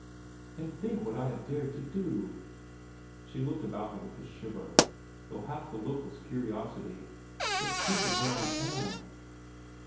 And think what I have dared to do." She looked about her with a shiver, though half the look was curiosity. "Just think of where I am."